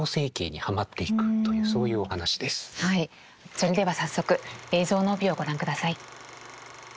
それでは早速「映像の帯」をご覧ください。